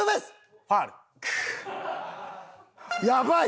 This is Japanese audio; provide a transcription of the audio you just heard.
やばい！